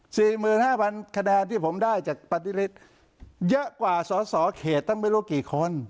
สี่หมื่นห้าพันคะแนนที่ผมได้จากปฏิฤทธิ์เยอะกว่าสอสอเขตตั้งไม่รู้กี่คน